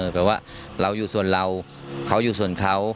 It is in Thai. แบบว่าเราอยู่ส่วนเราเขาอยู่ส่วนเขา